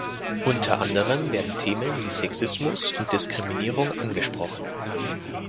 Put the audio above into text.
Unter anderem werden Themen wie Sexismus und Diskriminierung angesprochen.